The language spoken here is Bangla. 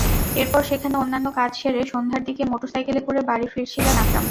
এরপর সেখানে অন্যান্য কাজ সেরে সন্ধ্যার দিকে মোটরসাইকেলে করে বাড়ি ফিরছিলেন আকরাম।